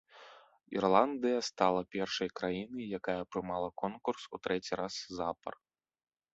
Ірландыя стала першай краінай, якая прымала конкурс у трэці раз запар.